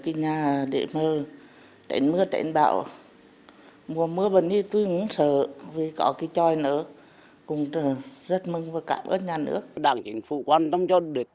chúc ngàn người công ty đảng chính phủ quan tâm cho được